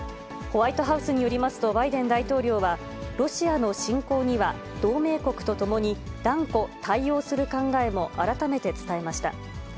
ホワイトハウスによりますと、バイデン大統領は、ロシアの侵攻には同盟国とともに断固対応する考えも改めて伝えました。